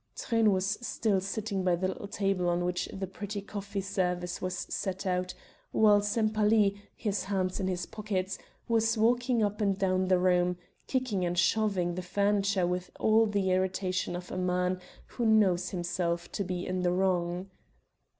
Truyn was still sitting by the little table on which the pretty coffee service was set out, while Sempaly, his hands in his pockets, was walking up and down the room, kicking and shoving the furniture with all the irritation of a man who knows himself to be in the wrong.